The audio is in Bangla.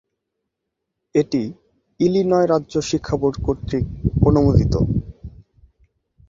এটি ইলিনয় রাজ্য শিক্ষা বোর্ড কর্তৃক অনুমোদিত।